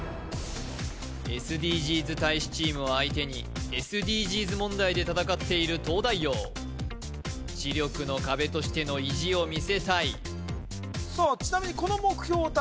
ＳＤＧｓ大使チームを相手にＳＤＧｓ問題で戦っている東大王知力の壁としての意地を見せたいさあちなみにどちらでしょうか？